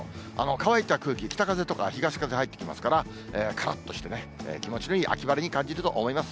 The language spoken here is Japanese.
乾いた空気、北風とか東風入ってきますから、からっとしてね、気持ちのいい秋晴れに感じると思います。